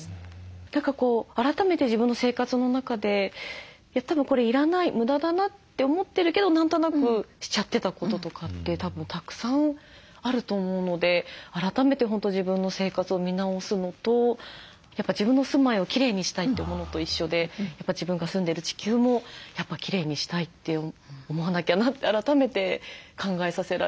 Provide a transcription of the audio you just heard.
何か改めて自分の生活の中でたぶんこれ要らない無駄だなって思ってるけど何となくしちゃってたこととかってたぶんたくさんあると思うので改めて本当自分の生活を見直すのとやっぱ自分の住まいをきれいにしたいって思うのと一緒でやっぱ自分が住んでる地球もやっぱきれいにしたいって思わなきゃなって改めて考えさせられましたね。